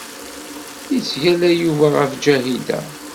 Yettgalla Yuba ɣef Ǧahida.